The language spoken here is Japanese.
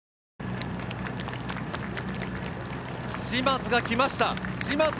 嶋津が来ました。